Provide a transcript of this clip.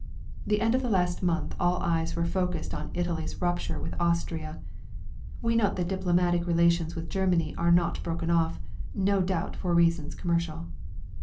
The end of the last month all eyes were focused on Italy's rupture with Austria (we note that diplomatic relations with Germany are not broken off, no doubt for reasons commercial).